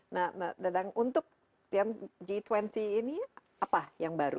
nah dadang untuk yang g dua puluh ini apa yang baru